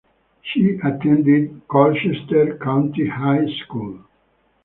She attended Colchester County High School.